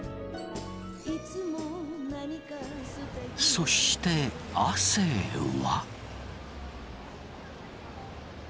そして亜生は。